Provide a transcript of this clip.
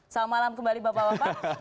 selamat malam kembali bapak bapak